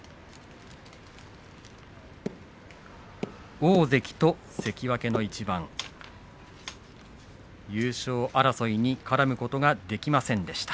大関と関脇の一番優勝争いに絡むことができませんでした。